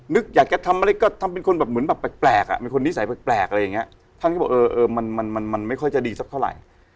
อยากจะทำอะไรก็ทำเป็นคนแบบเหมือนแบบแปลกอ่ะเป็นคนนิสัยแปลกอะไรอย่างเงี้ยท่านก็บอกเออมันมันไม่ค่อยจะดีสักเท่าไหร่